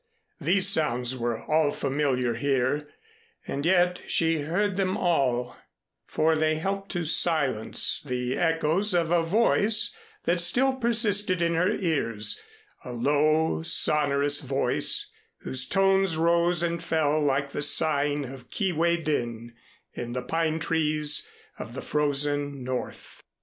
These sounds were all familiar here, and yet she heard them all; for they helped to silence the echoes of a voice that still persisted in her ears, a low sonorous voice, whose tones rose and fell like the sighing of Kee way din in the pine trees of the frozen North.